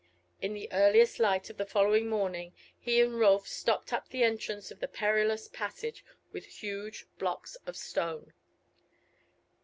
In the earliest light of the following morning, he and Rolf stopped up the entrance to the perilous passage with huge blocks of stone.